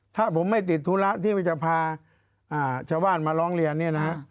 ถ้าผมไม่ติดธุระที่จะพาชาวบ้านมาร้องเรียนเนี่ยนะฮะ